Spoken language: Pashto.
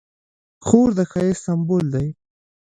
خور د ښایست سمبول ده.